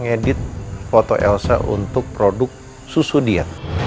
mengedit foto elsa untuk produk susu dia